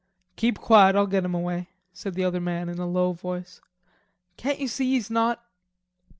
"Keep quiet, I'll get him away," said the other man in a low voice. "Can't you see he's not...?"